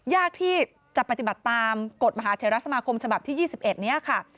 ยากที่จะปฏิบัติตามกฎมหาเทราสมาคมฉบับที่๒๑นี้ค่ะ